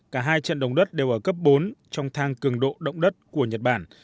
cả hai trận động đất đều ở cấp bốn trong thang cường độ động đất của nhật bản